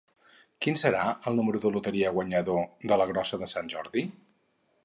Quin serà el número de loteria guanyador de la Grossa de Sant Jordi?